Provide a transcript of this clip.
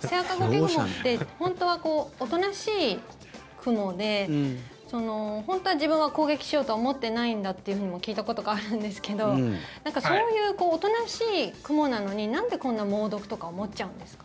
セアカゴケグモって本当はおとなしいクモで本当は自分は攻撃しようとは思ってないんだというふうにも聞いたことがあるんですけどそういうおとなしいクモなのになんで、こんな猛毒とか持っちゃうんですか？